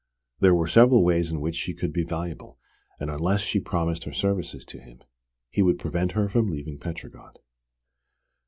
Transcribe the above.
There were several ways in which she could be valuable, and unless she promised her services to him, he would prevent her from leaving Petrograd.